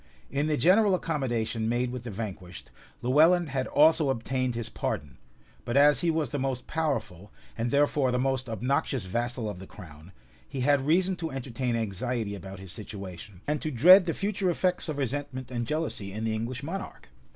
In the general accommodation made with the vanquished, Lewellyn had also obtained his pardon; but as he was the most powerful, and therefore the most obnoxious vassal of the crown, he had reason to entertain anxiety about his situation, and to dread the future effects of resentment and jealousy in the English monarch.